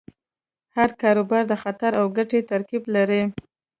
هر کاروبار د خطر او ګټې ترکیب لري.